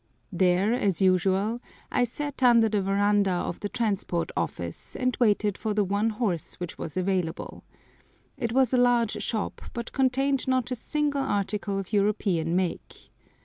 There, as usual, I sat under the verandah of the Transport Office, and waited for the one horse which was available. It was a large shop, but contained not a single article of European make.